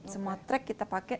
semua track kita pakai